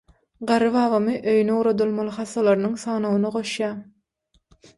Garry babamy öýüne ugradylmaly hassalaryň sanawyna goşýar.